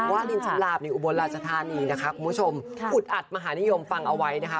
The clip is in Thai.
ลินชำลาบในอุบลราชธานีนะคะคุณผู้ชมอุดอัดมหานิยมฟังเอาไว้นะคะ